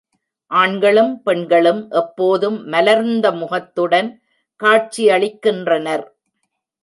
ஆண்களும் பெண்களும் எப்போதும் மலர்ந்த முகத்துடன் காட்சியளிக்கின்றனர்.